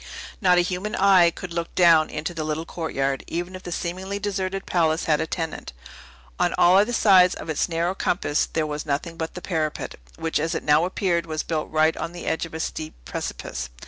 Not a human eye could look down into the little courtyard, even if the seemingly deserted palace had a tenant. On all other sides of its narrow compass there was nothing but the parapet, which as it now appeared was built right on the edge of a steep precipice.